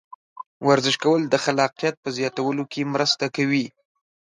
ورزش کول د خلاقیت په زیاتولو کې مرسته کوي.